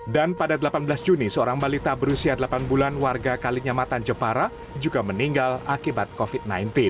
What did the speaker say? dan pada delapan belas juni seorang balita berusia delapan bulan warga kalinyamatan jepara juga meninggal akibat covid sembilan belas